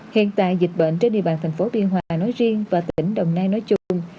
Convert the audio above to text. hiện tại dịch bệnh trên địa bàn thành phố biên hòa nói riêng và tỉnh đồng nai nói chung